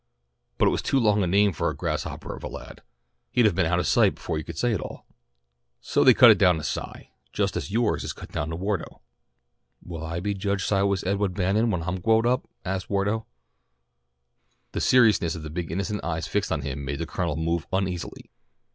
"But it was too long a name for such a grasshopper of a lad. He'd have been out of sight before you could say it all. So they cut it down to Cy, just as yours is cut to Wardo." "Will I be Judge Cywus Edwa'd Bannon then when I'm gwoed up?" asked Wardo. The seriousness of the big innocent eyes fixed on him made the Colonel move uneasily.